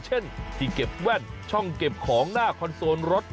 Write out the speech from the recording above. เช่นที่เก็บแว่นช่องเก็บของหน้าคอนโซลรถ